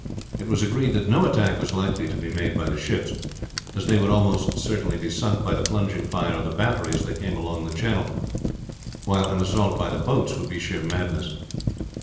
It was agreed that no attack was likely to be made by the ships, as they would almost certainly be sunk by the plunging fire of the battery as they came along the channel; while an assault by the boats would be sheer madness.